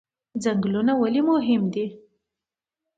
ځنګلونه ولې مهم دي؟